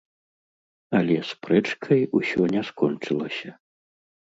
Але спрэчкай усё не скончылася.